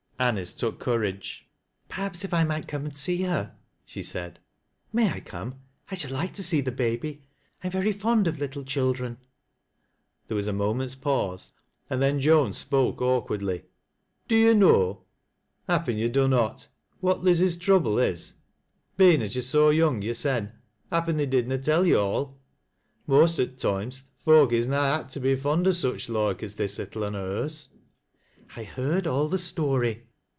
Anice took courage. " Perhaps if I might come and see her," she said " May I come ? I should like tc see the baby. I am verj Efjnd of little children." There «as a m :)ment's pause, and then Joan spoke awk (Vaj'dly. " Do yo' know— happen yo' dunnot — what Liz's tronbU is? bein' as yo're so young yorser, happen they did ns tell yo' all. Most o' toimr* folk is na apt to be fond o' ancJ bike aa this little un o' hers " OUTSIDE TEE HEDOE. 51 "H.^'irdallthestory."